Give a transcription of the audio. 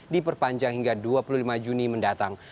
diperpanjang hingga dua puluh lima juni mendatang